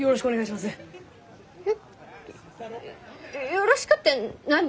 「よろしく」って何？